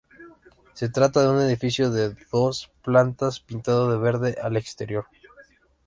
Se trata de un edificio de dos plantas pintado de verde al exterior.